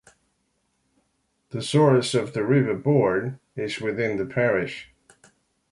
The source of the River Bourne is within the parish.